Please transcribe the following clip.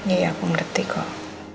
iya aku ngerti kok